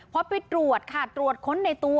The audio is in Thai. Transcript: พอไปตรวจค่ะตรวจค้นในตัว